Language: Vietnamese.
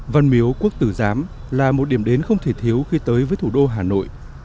văn miếu quốc tử giám là một điểm đến không thể thiếu khi tới với thủ đô hà nội